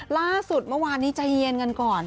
ล่าสุดเมื่อวานนี้ใจเย็นกันก่อน